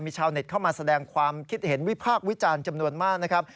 ชาวเน็ตเข้ามาแสดงความคิดเห็นวิพากษ์วิจารณ์จำนวนมากนะครับ